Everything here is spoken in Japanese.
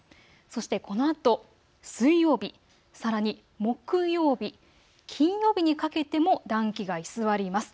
そしてこのあと水曜日、さらに木曜日、金曜日にかけても暖気が居座ります。